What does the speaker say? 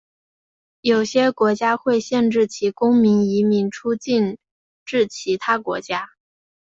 有些国家会限制其公民移民出境至其他国家。